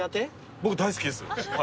僕大好きです。